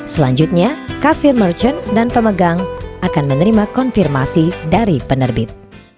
selanjutnya kasir merchant dan pemegang akan menerima konfirmasi dari penerbit